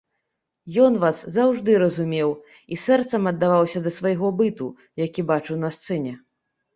Ён вас заўжды разумеў і сэрцам аддаваўся да свайго быту, які бачыў на сцэне.